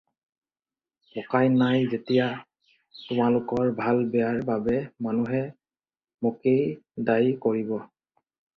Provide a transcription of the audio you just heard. ককাই নাই যেতিয়া তোমালোকৰ ভাল-বেয়াৰ বাবে মানুহে মোকেই দায়ী কৰিব।